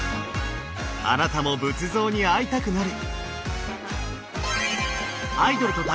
あなたも仏像に会いたくなる！